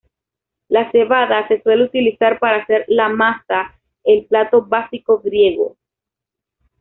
La cebada se suele utilizar para hacer la "maza", el plato básico griego.